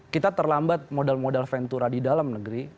kita terlambat modal modal ventura di dalam negeri